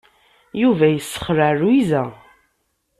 Yuba yessexleɛ Lwiza.